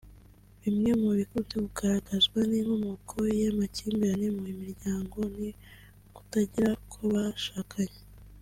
Bimwe mu bikunze kugaragazwa nk’inkomoko y’amakimbirane mu miryango ni ukutaganira kw’abashakanye